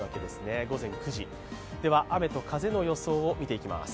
では雨と風の予想を見ていきます。